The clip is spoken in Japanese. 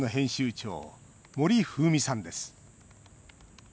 長森風美さんです。